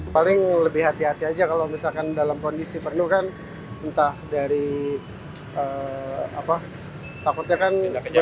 paling lebih hati hati aja kalau misalkan dalam kondisi penuh kan entah dari takutnya kan